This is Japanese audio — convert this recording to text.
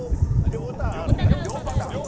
両パターン？